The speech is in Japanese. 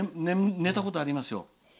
寝たことありますよ。